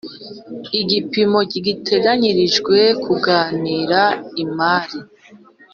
Igipimo giteganyirijwe kunganira imari